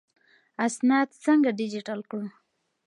اسناد څنګه ډیجیټل کړو؟